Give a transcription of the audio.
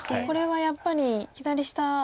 これはやっぱり左下。